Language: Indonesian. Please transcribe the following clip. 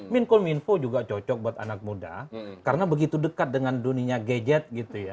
minkominfo juga cocok buat anak muda karena begitu dekat dengan dunia gadget gitu ya